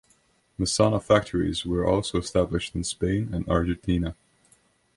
Meccano factories were also established in Spain and Argentina.